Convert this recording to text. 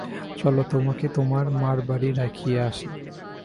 চলো তোমাকে তোমার মার বাড়ি রাখিয়া আসি।